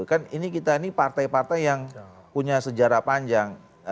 kan ini kita ini partai partai yang punya sejarah panjang